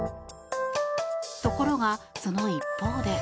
ところが、その一方で。